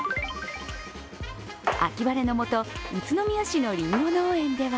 秋晴れの下、宇都宮市のりんご農園では